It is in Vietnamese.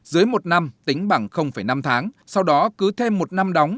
dưới một năm tính bằng năm tháng sau đó cứ thêm một năm đóng